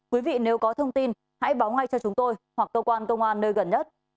quý vị nếu có thông tin hãy báo ngay cho chúng tôi hoặc cơ quan công an nơi gần nhất